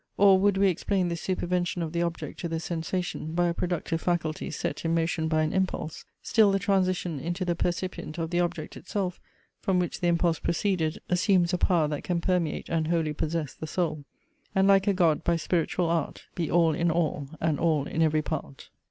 Or would we explain this supervention of the object to the sensation, by a productive faculty set in motion by an impulse; still the transition, into the percipient, of the object itself, from which the impulse proceeded, assumes a power that can permeate and wholly possess the soul, And like a God by spiritual art, Be all in all, and all in every part.